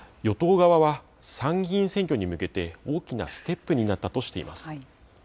与党側は、参議院選挙に向けて大きなステップになったとしています。